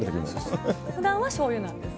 ふだんはしょうゆなんですね。